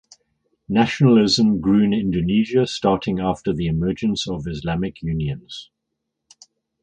Nationalism grew in Indonesia starting after the emergence of Islamic Unions.